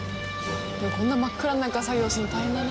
こんな真っ暗な中作業するの大変だな。